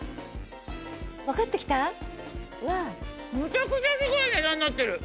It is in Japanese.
むちゃくちゃすごい値段になってる！